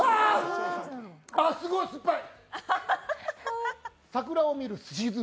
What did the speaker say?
あ、すごいすっぱい。